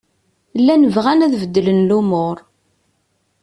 Llan bɣan ad beddlen lumuṛ.